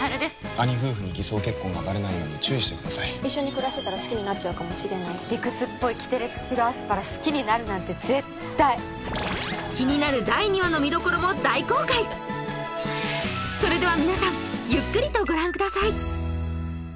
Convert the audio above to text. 兄夫婦に偽装結婚がバレないように注意してください一緒に暮らしてたら好きになっちゃうかもしれないし理屈っぽいキテレツ白アスパラ好きになるなんて絶対気になるそれでは皆さんゆっくりとご覧ください！